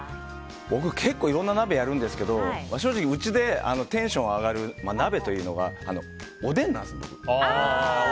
僕、結構いろんな鍋やるんですけど正直、家でテンション上がる鍋というのがおでんなんです、僕。